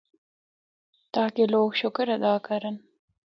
تاکہ لوگ شُکر ادا کرّن۔